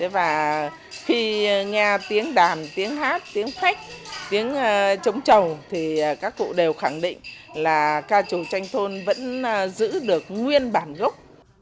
và khi nghe tiếng đàn tiếng hát tiếng khách tiếng trống trầu thì các cụ đều khẳng định là ca trù tranh thôn vẫn giữ được nguyên bản gốc